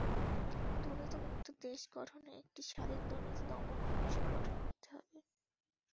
দুর্নীতিমুক্ত দেশ গঠনে একটি স্বাধীন দুর্নীতি দমন কমিশন গঠন করতে হবে।